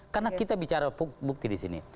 karena kita bicara bukti di sini